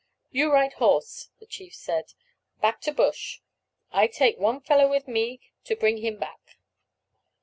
"You ride horse," the chief said, "back to bush. I take one fellow with me to bring him back."